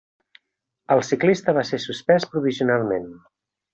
El ciclista va ser suspès provisionalment.